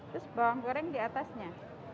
terus bawang goreng diatasnya